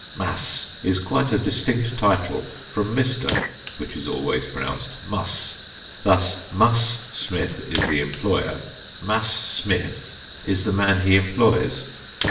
"Master" is quite a distinct title from "Mr." which is always pronounced Mus, thus: "Mus" Smith is the employer. "Master" Smith is the man he employs.